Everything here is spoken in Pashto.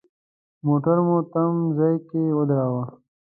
موټر مو تم ځای کې ودراوه.